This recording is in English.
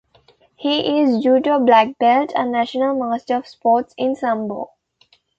He is Judo black belt and national master of sports in Sambo.